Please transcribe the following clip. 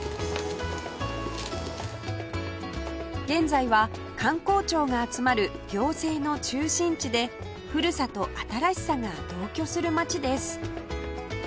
現在は官公庁が集まる行政の中心地で古さと新しさが同居する街です